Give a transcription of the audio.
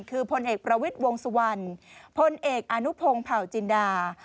คือพลเอกประวิทย์วงสุวรรณพลเอกอนุพงศ์เผาจินดา